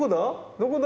どこだ？